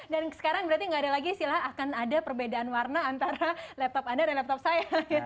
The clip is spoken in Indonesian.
dan sekarang berarti nggak ada lagi sih lah akan ada perbedaan warna antara laptop anda dan laptop saya